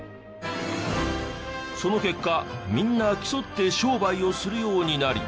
その結果みんな競って商売をするようになり。